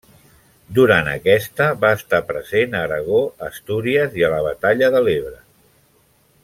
Durant aquesta, va estar present a Aragó, Astúries i la batalla de l'Ebre.